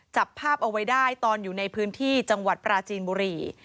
จับภาพเอาไว้ได้ตอนอยู่ในพื้นที่จังหวัดปราจีนบุรี